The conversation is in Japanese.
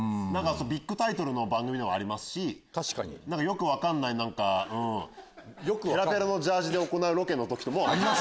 ビッグタイトルの番組でもありますしよく分かんない何かペラペラのジャージーで行うロケの時も。